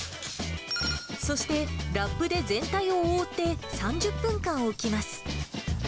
そして、ラップで全体を覆って３０分間置きます。